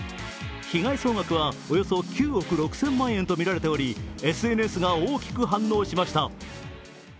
被害総額はおよそ９億６０００万円とみられており、ＳＮＳが大きく反応しました。